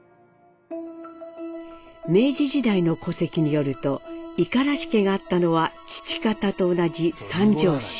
明治時代の戸籍によると五十嵐家があったのは父方と同じ三条市。